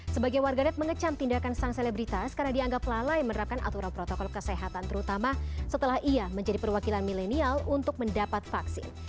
sebagai warganet mengecam tindakan sang selebritas karena dianggap lalai menerapkan aturan protokol kesehatan terutama setelah ia menjadi perwakilan milenial untuk mendapat vaksin